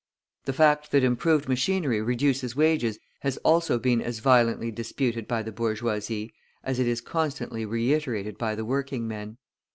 The fact that improved machinery reduces wages has also been as violently disputed by the bourgeoisie, as it is constantly reiterated by the working men.